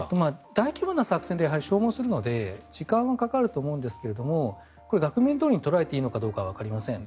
大規模な作戦ではやはり消耗するので時間はかかると思うんですが額面どおりに捉えていいのかはわかりません。